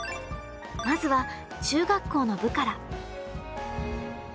まずは中学校の部から。